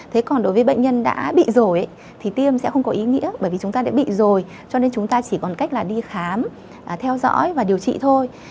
thế còn đối với bệnh nhân đã bị rổi thì tiêm sẽ không có ý nghĩa bởi vì chúng ta đã bị rồi cho nên chúng ta chỉ còn cách là đi khám theo dõi và điều trị thôi